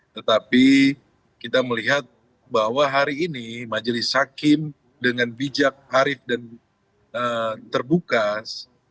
tetapi kita melihat bahwa hari ini majelis hakim dengan bijak harif dan terbuka